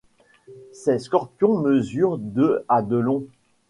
Ces scorpions mesurent de à de long.